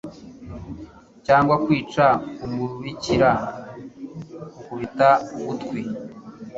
cyangwa kwica umubikira ukubita ugutwi